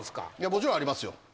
もちろんありますよ。